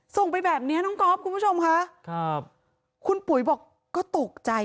ส่งไปแบบเนี้ยน้องก๊อฟคุณผู้ชมค่ะครับคุณปุ๋ยบอกก็ตกใจ